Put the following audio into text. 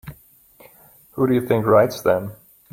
Who do you think writes them?